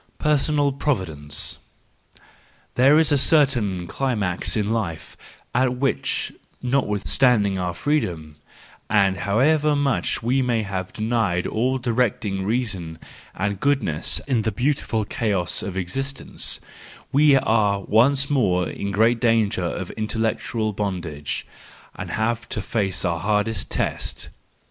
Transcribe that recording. Personal Providence .—There is a certain climax in life, at which, notwithstanding all our freedom, and however much we may have denied all direct¬ ing reason and goodness in the beautiful chaos of existence, we are once more in great danger of intellectual bondage, and have to face our 214 THE JOYFUL WISDOM, IV hardest test.